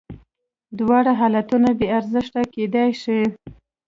دواړه حالتونه بې ارزښته کېدل ښیې.